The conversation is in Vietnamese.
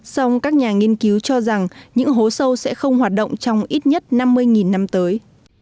song các nhà nghiên cứu cho rằng những hố sâu sẽ không hoạt động trong ít nhất năm mươi năm tới